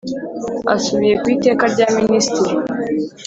Asubiye ku Iteka rya Minisitiri .